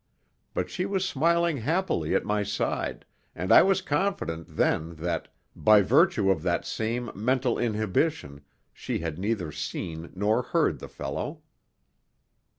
But she was smiling happily at my side, and I was confident then that, by virtue of that same mental inhibition, she had neither seen nor heard the fellow.